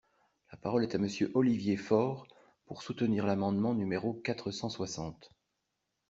La parole est à Monsieur Olivier Faure, pour soutenir l’amendement numéro quatre cent soixante.